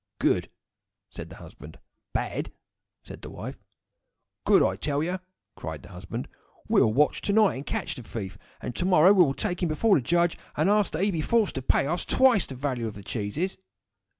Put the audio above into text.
"Good!" said the husband. "Bad!" said the wife. "Good, I tell you!" cried the husband. "We will watch to night and catch the thief, and to morrow we will take him before the judge and ask that he be forced to pay us twice the value of the cheeses."